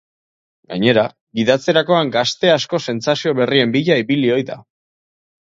Gainera, gidatzerakoan gazte asko sentsazio berrien bila ibili ohi da.